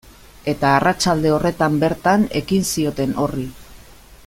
Eta arratsalde horretan bertan ekin zioten horri.